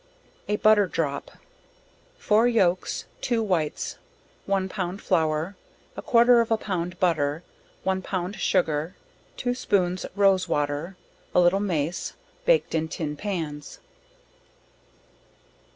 A Butter Drop. Four yolks, two whites, one pound flour, a quarter of a pound butter, one pound sugar, two spoons rose water, a little mace, baked in tin pans.